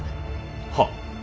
はっ。